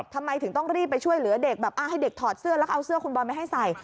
ทำไมถึงต้องรีบไปช่วยเหลือเด็กแบบให้เด็กถอดเสื้อแล้วก็เอาเสื้อคุณบอลไปให้ใส่